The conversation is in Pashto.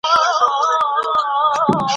نه به بیا د ښکلیو پېغلو له ربابه سره شخول وي